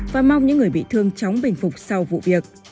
và mong những người bị thương chóng bình phục sau vụ việc